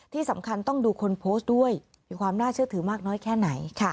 ที่สำคัญต้องดูคนโพสต์ด้วยมีความน่าเชื่อถือมากน้อยแค่ไหน